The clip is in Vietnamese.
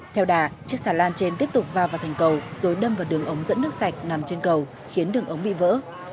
theo đà chiếc xà lan trên tiếp tục va vào thành cầu rồi đâm vào đường ống dẫn nước sạch nằm trên cầu khiến đường ống bị vỡ